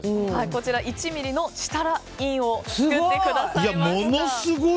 こちら、１ｍｍの設楽印を作ってくださいました。